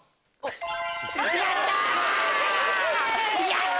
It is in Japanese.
やった‼